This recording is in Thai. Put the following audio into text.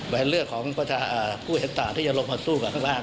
เป็นเรื่องของผู้เห็นต่างที่จะลงมาสู้กับข้างล่าง